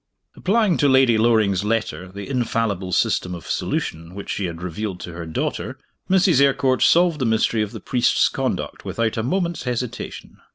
Applying to Lady Loring's letter the infallible system of solution which she had revealed to her daughter, Mrs. Eyrecourt solved the mystery of the priest's conduct without a moment's hesitation.